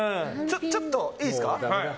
ちょっといいですか。